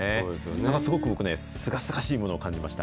なんかすごく僕ね、すがすがしいものを感じました。